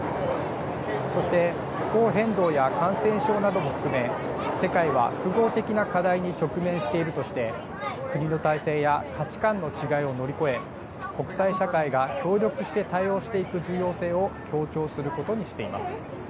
そして、気候変動や感染症なども含め、世界は複合的な課題に直面しているとして、国の体制や価値観の違いを乗り越え、国際社会が協力して対応していく重要性を強調することにしています。